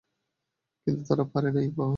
কিন্তু তারা পারে নাই, বাবা।